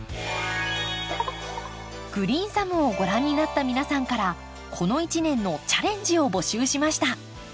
「グリーンサム」をご覧になった皆さんからこの１年のチャレンジを募集しました。